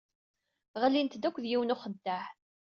Ɣlint-d akked yiwen n uxeddaɛ.